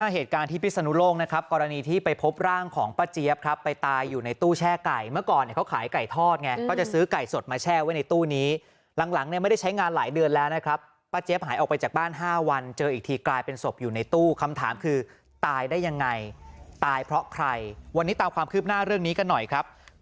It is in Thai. เหตุการณ์ที่พิศนุโลกนะครับกรณีที่ไปพบร่างของป้าเจี๊ยบครับไปตายอยู่ในตู้แช่ไก่เมื่อก่อนเนี่ยเขาขายไก่ทอดไงก็จะซื้อไก่สดมาแช่ไว้ในตู้นี้หลังหลังเนี่ยไม่ได้ใช้งานหลายเดือนแล้วนะครับป้าเจี๊ยบหายออกไปจากบ้าน๕วันเจออีกทีกลายเป็นศพอยู่ในตู้คำถามคือตายได้ยังไงตายเพราะใครวันนี้ตามความคืบหน้าเรื่องนี้กันหน่อยครับ